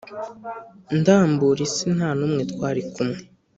ndambura isi nta n’umwe twari kumwe.